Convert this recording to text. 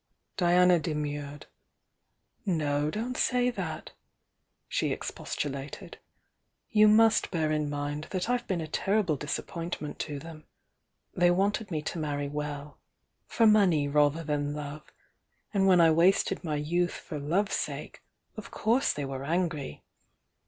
Diana demurred. "No, don't say that!" she expostulated. "You must bear in mind that I've been a terrible disap pointment to them. They wanted me to marry well, — for money rather than love — and when I wasted my youth for love's sake, of course they were an gry.